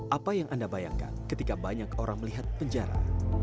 apa yang anda bayangkan ketika banyak orang melihat penjara